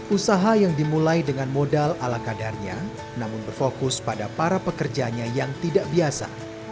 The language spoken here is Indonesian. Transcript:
usaha yang dimulai dengan modal ala kadarnya namun berfokus pada para pekerjanya yang tidak biasa